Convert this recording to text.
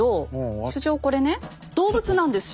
所長これね動物なんですよ。